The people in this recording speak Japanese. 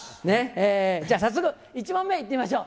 じゃあ早速１問目、いってみましょう。